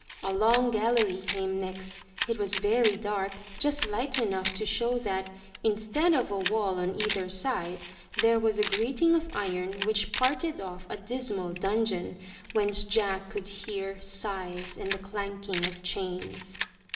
A long gallery came next; it was very dark, just light enough to show that, instead of a wall on either side, there was a grating of iron which parted off a dismal dungeon, whence Jack could hear sighs and the clanking of chains.